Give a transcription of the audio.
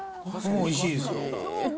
おいしいですよ。